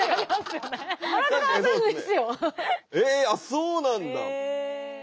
そうなんだ！